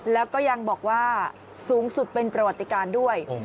แล้วก็ยังบอกว่าสูงสุดเป็นประวัติการด้วย